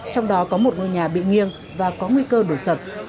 trong đó có một ngôi nhà bị nghiêng và có nguy cơ đổ sập